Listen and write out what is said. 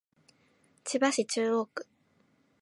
千葉市中央区